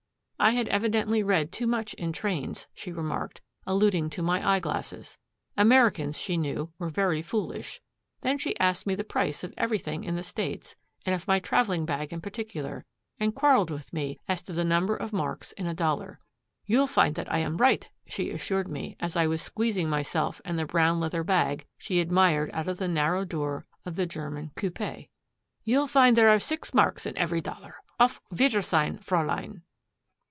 I had evidently read too much in trains, she remarked, alluding to my eye glasses. Americans, she knew, were very foolish. Then she asked me the price of everything in the States, and of my traveling bag in particular, and quarreled with me as to the number of marks in a dollar. 'You'll find that I am right,' she assured me, as I was squeezing myself and the brown leather bag she admired out of the narrow door of the German coupé. 'You'll find there are six marks in every dollar. Auf wiedersehen, Fräulein.'